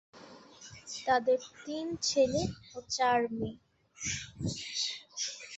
তাদের তিন ছেলে ও চার মেয়ে।